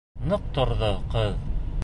Ныҡ торҙо ҡыҙ.